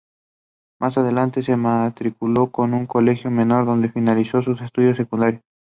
Más adelante se matriculó en un colegio menor donde finalizó sus estudios secundarios.